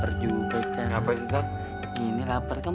enggak saya yang kekenyangan